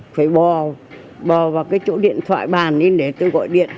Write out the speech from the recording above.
phải bò vào cái chỗ điện thoại bàn lên để tôi gọi điện